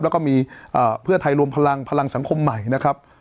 แล้วก็มีเพื่อไทยรวมพลังพลังสังคมใหม่นะครับ